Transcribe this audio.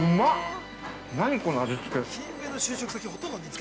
何、この味つけ。